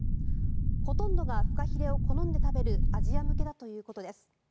ほとんどがフカヒレを好んで食べるアジア向けだということです。